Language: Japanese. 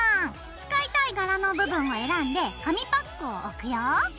使いたい柄の部分を選んで紙パックを置くよ。